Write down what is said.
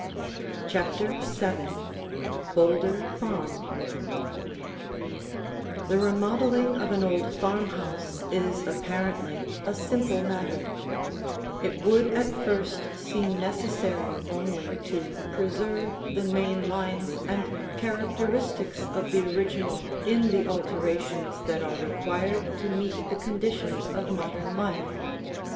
CHAPTER VII BOULDER FARM The remodeling of an old farmhouse is apparently a simple matter; it would at first seem necessary only to preserve the main lines and characteristics of the original in the alterations that are required to meet the conditions of modern life.